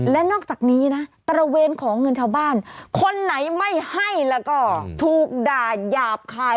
และนอกจากนี้นะตระเวนขอเงินชาวบ้านคนไหนไม่ให้แล้วก็ถูกด่าหยาบคาย